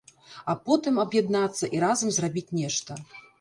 А потым аб'яднацца і разам зрабіць нешта.